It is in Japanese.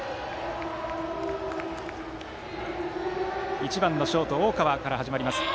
１番ショート、大川から始まります。